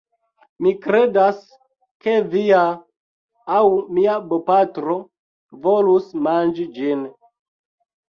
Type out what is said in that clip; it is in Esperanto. Mi kredas, ke via... aŭ mia bopatro volus manĝi ĝin.